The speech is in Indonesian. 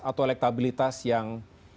atau elektabilitas yang